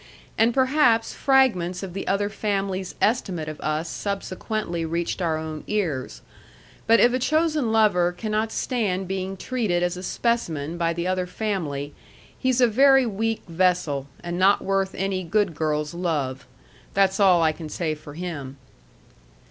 And perhaps fragments of the other family's estimate of us subsequently reached our own ears. But if a chosen lover cannot stand being treated as a specimen by the other family, he's a very weak vessel, and not worth any good girl's love. That's all I can say for him.